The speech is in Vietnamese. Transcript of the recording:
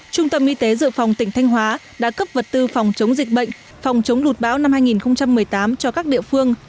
trung tâm y tế dự phòng tỉnh thanh hóa đã cấp vật tư phòng chống dịch bệnh phòng chống lụt bão năm hai nghìn một mươi tám cho các địa phương